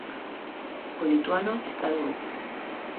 O lituano está de volta.